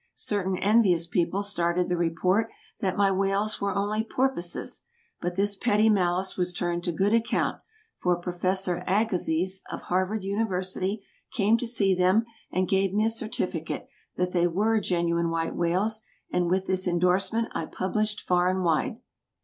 Certain envious people started the report that my whales were only porpoises, but this petty malice was turned to good account, for Professor Agassiz, of Harvard University, came to see them, and gave me a certificate that they were genuine white whales, and this indorsement I published far and wide.